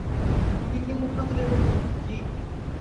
তিন্নি মুখ না তুলেই বলল, কি?